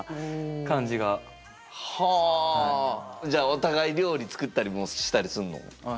じゃあお互い料理作ったりもしたりすんの？